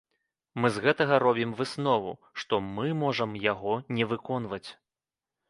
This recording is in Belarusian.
Мы з гэтага робім выснову, што мы можам яго не выконваць.